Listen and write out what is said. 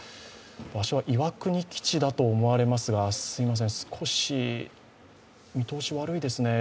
場所は岩国基地だと思われますが、少し見通し悪いですね。